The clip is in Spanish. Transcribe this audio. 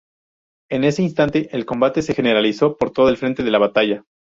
En ese instante, el combate se generalizó por todo el frente de batalla.